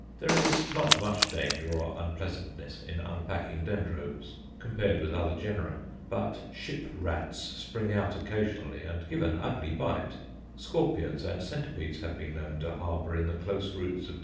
There is not much danger or unpleasantness in unpacking Dendrobes, compared with other genera, but ship rats spring out occasionally and give an ugly bite; scorpions and centipedes have been known to harbour in the close roots of _D.